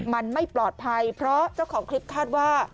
มันไม่ปลอดภัยเพราะเจ้าของคลิปคาดว่า